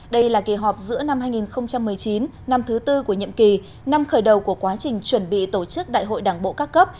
đây là kỳ họp giữa năm hai nghìn một mươi chín năm thứ tư của nhiệm kỳ năm khởi đầu của quá trình chuẩn bị tổ chức đại hội đảng bộ các cấp